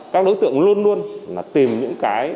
các đối tượng luôn luôn tìm những cái